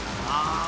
ああ。